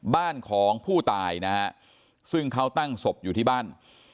บ้านของผู้ตายนะฮะซึ่งเขาตั้งศพอยู่ที่บ้าน